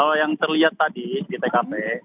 kalau yang terlihat tadi di tkp